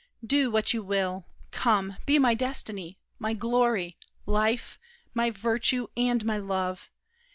Do what you will! Come, be my destiny, My glory, life, my virtue, and my love!